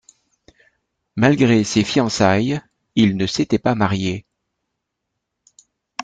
Malgré ses fiançailles il ne s'était pas marié.